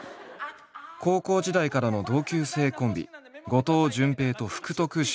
高校時代からの同級生コンビ後藤淳平と福徳秀介。